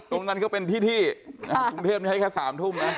ตรงนั้นก็เป็นที่กรุงเทพนี้ให้แค่๓ทุ่มนะ